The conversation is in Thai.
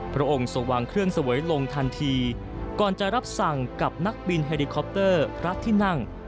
พระองค์ส่งวางเครื่องเสวยลงทันทีก่อนจะรับสั่งกับนักบินเฮลิคอปเตอร์พระที่นั่ง